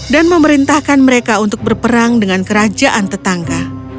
dan memerintahkan mereka untuk berperang dengan kerajaan tetangga